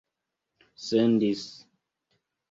sendis